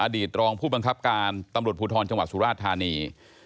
ตรองผู้บังคับการตำรวจภูทรจังหวัดสุราชธานี